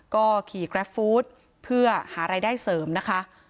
ก็ขี่แกรฟฟู้ดเพื่อหารายได้เสริมนะคะ